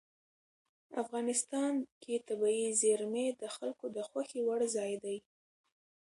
افغانستان کې طبیعي زیرمې د خلکو د خوښې وړ ځای دی.